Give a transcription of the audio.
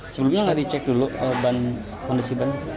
sebelumnya tidak dicek dulu kondisi ban